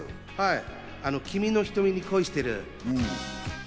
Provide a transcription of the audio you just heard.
『君の瞳に恋してる』。